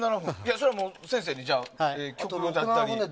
それは、先生に、曲だったり。